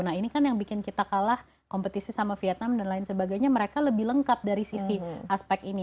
nah ini kan yang bikin kita kalah kompetisi sama vietnam dan lain sebagainya mereka lebih lengkap dari sisi aspek ini